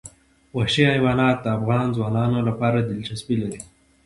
وحشي حیوانات د افغان ځوانانو لپاره دلچسپي لري.